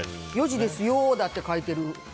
「４時ですよ！」って書いてる。